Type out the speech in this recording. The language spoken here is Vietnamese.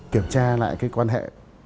kiểm tra lại cái quan hệ